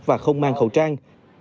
và không mang khẩu trang